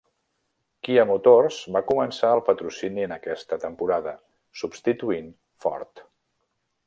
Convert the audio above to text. Kia Motors va començar el patrocini en aquesta temporada, substituint Ford.